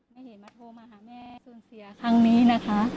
ไม่เห็นมาโทรมาหาแม่สูญเสียครั้งนี้นะคะ